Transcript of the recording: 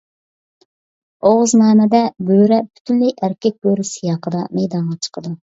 «ئوغۇزنامە» دە بۆرە پۈتۈنلەي ئەركەك بۆرە سىياقىدا مەيدانغا چىقىدۇ.